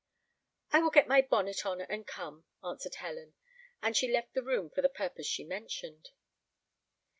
"I will get my bonnet on and come," answered Helen; and she left the room for the purpose she mentioned.